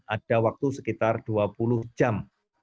ada waktu sekitar dua puluh jam